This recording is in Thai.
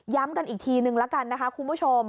กันอีกทีนึงละกันนะคะคุณผู้ชม